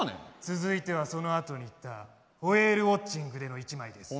続いてはそのあとに行ったホエールウォッチングでの一枚です。